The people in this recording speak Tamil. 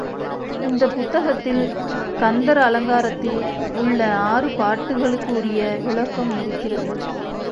இந்தப் புத்தகத்தில் கந்தர் அலங்காரத்தில் உள்ள ஆறு பாட்டுக்களுக்குரிய விளக்கம் இருக்கிறது.